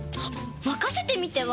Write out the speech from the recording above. まかせてみては？